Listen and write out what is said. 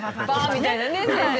みたいなね